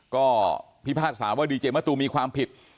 ก็พิพากษาว่าดีเจมะตูมีความผิด